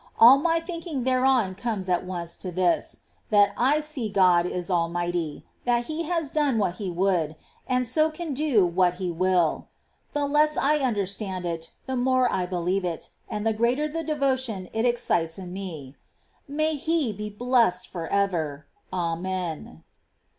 All my thinking thereon comes at once to this : that I see God is almighty, that He has done what He would, and so can do what He will. The less I understand it, the more I believe it, and the greater the devotion it excites in me. May He be blessed for ever ! Amen.